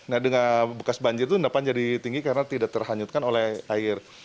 nah dengan bekas banjir itu endapan jadi tinggi karena tidak terhanyutkan oleh air